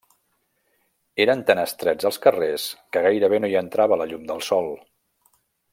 Eren tan estrets els carrers que gairebé no hi entrava la llum del sol.